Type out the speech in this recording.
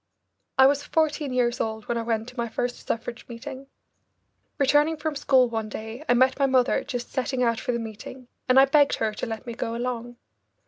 I was fourteen years old when I went to my first suffrage meeting. Returning from school one day, I met my mother just setting out for the meeting, and I begged her to let me go along.